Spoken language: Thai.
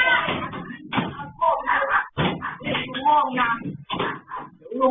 ไม่อยู่ไม่อยู่เลย